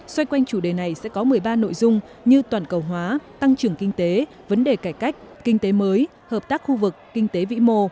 xoay quanh chủ đề này sẽ có một mươi ba nội dung như toàn cầu hóa tăng trưởng kinh tế vấn đề cải cách kinh tế mới hợp tác khu vực kinh tế vĩ mô